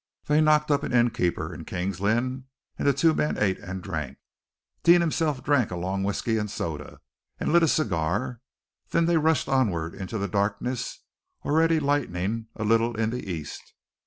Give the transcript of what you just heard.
They knocked up an inn keeper in King's Lynn, and the two men ate and drank. Deane himself drank a long whiskey and soda, and lit a cigar. Then they rushed onward into the darkness, already lightening a little in the east.